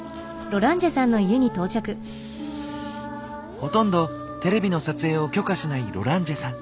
ほとんどテレビの撮影を許可しないロランジェさん。